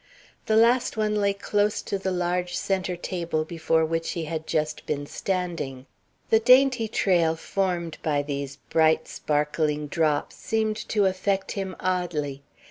The last one lay close to the large centre table before which he had just been standing. The dainty trail formed by these bright sparkling drops seemed to affect him oddly.